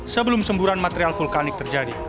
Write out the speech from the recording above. sebelum semburan material vulkanik terjadi